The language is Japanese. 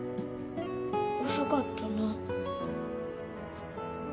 遅かったな。